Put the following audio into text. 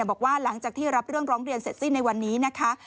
บอกว่าหลังจากที่รับเรื่องร้องเรียนเสร็จสิ้นในวันนี้นะคะ